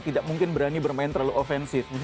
tidak mungkin berani bermain terlalu offensif